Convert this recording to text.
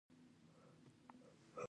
ترموز د نیکه چای پکې ساتل شوی وي.